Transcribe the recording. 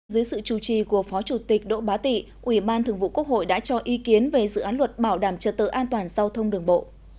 dưới sự chủ trì của phó chủ tịch đỗ bá tị ủy ban thường vụ quốc hội đã cho ý kiến về dự án luật bảo đảm trật tự an toàn giao thông đường bộ